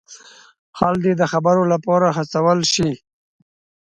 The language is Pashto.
خلک دې د خبرو لپاره هڅول شي.